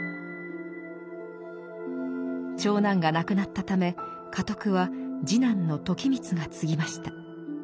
長男が亡くなったため家督は次男の時光が継ぎました。